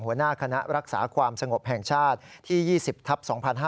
หัวหน้าคณะรักษาความสงบแห่งชาติที่๒๐ทัพ๒๕๕๙